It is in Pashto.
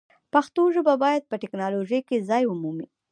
پښتو ژبه باید په ټکنالوژۍ کې ځای ومومي.